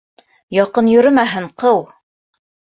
Яҡын йөрөмәһен, ҡыу!